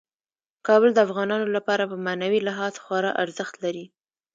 کابل د افغانانو لپاره په معنوي لحاظ خورا ارزښت لري.